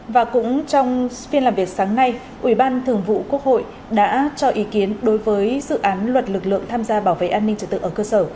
và cũng trong phiên làm việc sáng nay ủy ban thường vụ quốc hội đã cho ý kiến đối với dự án luật lực lượng tham gia bảo vệ an ninh trật tự ở cơ sở